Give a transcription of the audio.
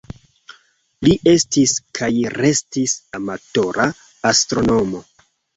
Li estis kaj restis amatora astronomo.